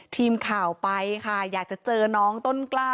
ทีมข่าวไปค่ะอยากจะเจอน้องต้นกล้า